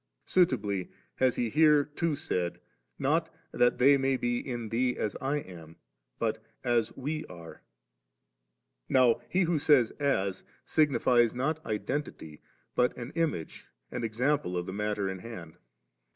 Suitably has He here too said, not^ •that they maybe in Thee as 1 am,' but *as We are ;' now he who says * as *s, signifies not identity, but an image and example of the matter in hand.